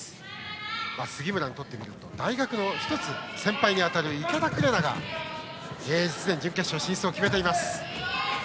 杉村にとってみると大学の１つ先輩に当たる池田紅が準決勝進出を決めています。